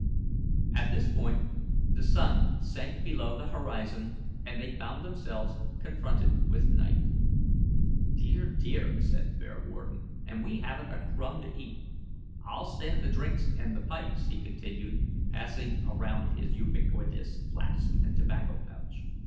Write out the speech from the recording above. At this point the sun sank below the horizon, and they found themselves confronted with night. "Dear, dear!" said Bearwarden, "and we haven't a crumb to eat. I'll stand the drinks and the pipes," he continued, passing around his ubiquitous flask and tobacco pouch.